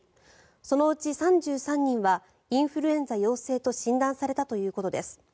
そのうち３３人はインフルエンザ陽性と診断されたということです。